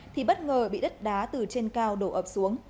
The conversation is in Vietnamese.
thì bất ngờ bị đất đá từ trên cao đổ ập xuống